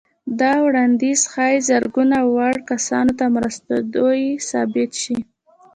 دا وړانديز ښايي زرګونه وړ کسانو ته مرستندوی ثابت شي.